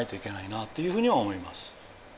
なっていうふうには思います